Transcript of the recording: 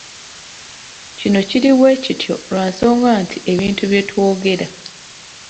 Kino kiri bwe kityo lwa nsonga nti ebintu bye twogera.